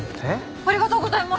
ありがとうございます！